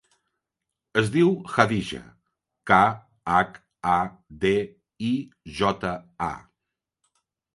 Es diu Khadija: ca, hac, a, de, i, jota, a.